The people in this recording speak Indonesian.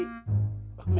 udega babe ganti